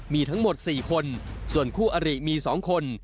มีทั้งหมด๔คนส่วนคู่อริมี๒คน